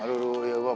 aduh ya wak